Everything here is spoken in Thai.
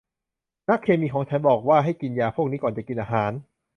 นักเคมีของฉันบอกว่าให้กินยาพวกนี้ ก่อนจะกินอาหาร